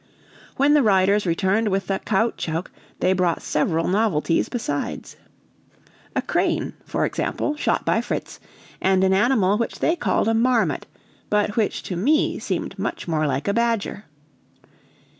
When the riders returned with the caoutchouc, they brought several novelties besides. A crane, for example, shot by Fritz, and an animal which they called a marmot, but which to me seemed much more like a badger.